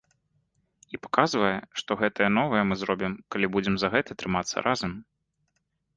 І паказвае, што гэтае новае мы зробім, калі будзем за гэта трымацца разам.